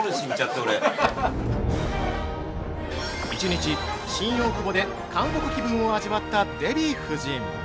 ◆１日、新大久保で韓国気分を味わったデヴィ夫人。